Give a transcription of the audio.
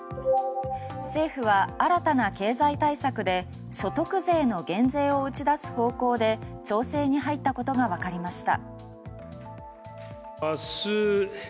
政府は新たな経済対策で所得税の減税を打ち出す方向で調整に入ったことがわかりました。